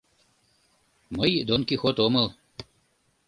Мый Дон Кихот омыл».